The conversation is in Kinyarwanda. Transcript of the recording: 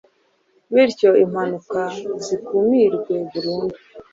bityo impanuka zikumirwe burundu